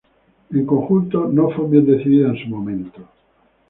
En conjunto, no fue bien recibida en su momento.